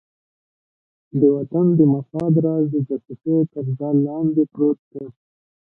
د وطن د مفاد راز د جاسوسۍ تر جال لاندې پروت دی.